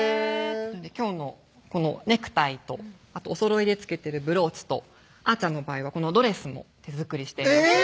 今日のこのネクタイとお揃いで着けてるブローチとあーちゃんの場合はこのドレスも手作りしています